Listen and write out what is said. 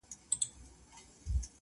د زړگي غوښي مي د شپې خوراك وي،